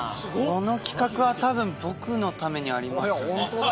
この企画は多分僕のためにありますよね。